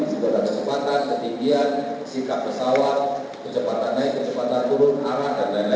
sebenarnya kecepatan ketinggian sikap pesawat kecepatan naik kecepatan turun arah dan lain lain